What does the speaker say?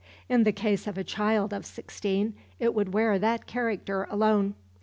In the case of a child of sixteen it would wear that character alone.